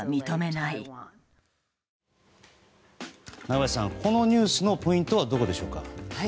中林さん、このニュースのポイントはどこでしょうか。